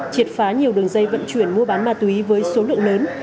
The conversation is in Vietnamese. triệt phá nhiều đường dây vận chuyển mua bán ma túy với số lượng lớn